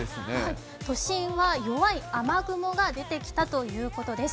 都心は弱い雨雲が出てきたということです。